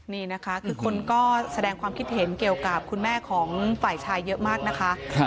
นี่นะคะคือคนก็แสดงความคิดเห็นเกี่ยวกับคุณแม่ของฝ่ายชายเยอะมากนะคะ